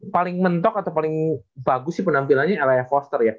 paling mentok atau paling bagus sih penampilannya adalah foster ya